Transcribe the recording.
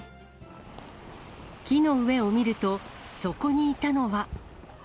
木の上を見ると、そこにいたのは。